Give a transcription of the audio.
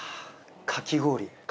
かき氷。